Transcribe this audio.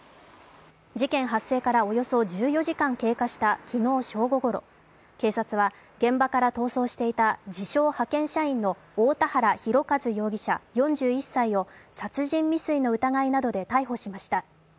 事件発生からおよそ１４時間経過した昨日正午ごろ、警察は現場から逃走していた自称・派遣社員の太田原広和容疑者４１歳を殺人未遂の疑いなどで逮捕しました。